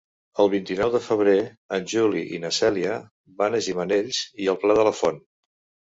El vint-i-nou de febrer en Juli i na Cèlia van a Gimenells i el Pla de la Font.